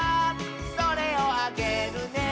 「それをあげるね」